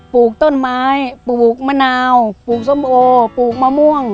ปลูกต้นไม้ปลูกมะนาวปลูกส้มโอปลูกมะม่วง